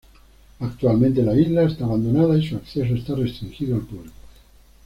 Actualmente la isla está abandonada y su acceso está restringido al público.